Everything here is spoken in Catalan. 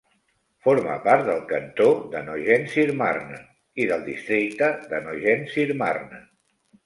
Forma part del cantó de Nogent-sur-Marne i del districte de Nogent-sur-Marne.